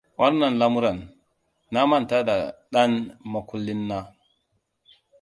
Wannan lamuran! Na manta da dan makullin na!